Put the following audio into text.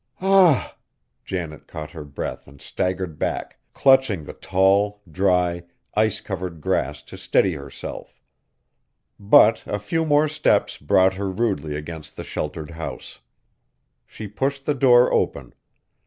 "Ah!" Janet caught her breath and staggered back, clutching the tall, dry, ice covered grass to steady herself; but a few more steps brought her rudely against the shelter house. She pushed the door open.